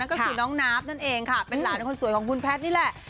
ก็คือน้องนาฟนั่นเองค่ะเป็นหลานคนสวยของคุณแพทย์นี่แหละ